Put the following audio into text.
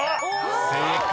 ［正解。